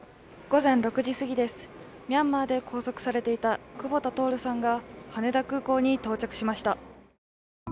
午前６時すぎです、ミャンマーで拘束されていた久保田徹さんが羽田空港に到着しました。